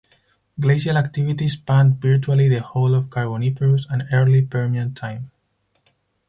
Glacial activity spanned virtually the whole of Carboniferous and Early Permian time.